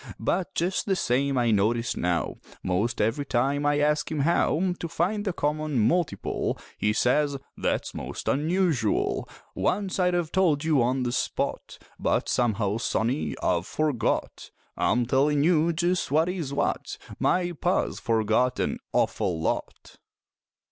But just the same I notice now Most every time I ask him how To find the common multiple, He says, "That's most unusual! Once I'd have told you on the spot, But somehow, sonny, I've forgot." I'm tellin' you just what is what, My Pa's forgot an awful lot!